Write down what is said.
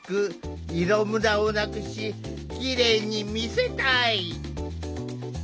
色むらをなくしきれいに見せたい。